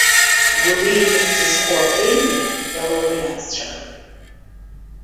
Гәлиа ихьӡ зхыу апремиа иалауреатцәахеит.